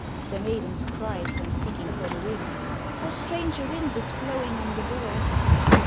The maidens cried, when seeking for the ring, ' How strange a wind is blowing on the door